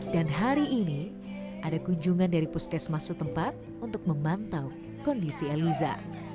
dan hari ini ada kunjungan dari puskesmas setempat untuk memantau kondisi eliza